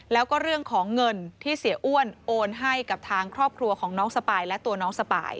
แล้วก็เรื่องของเงินที่เสียอ้วนโอนให้กับทางครอบครัวของน้องสปายและตัวน้องสปาย